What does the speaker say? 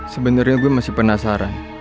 sebenernya gue masih penasaran